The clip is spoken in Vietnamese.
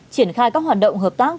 triển khai các hoạt động hợp tác